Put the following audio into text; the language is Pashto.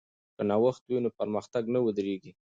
که نوښت وي نو پرمختګ نه ودریږي.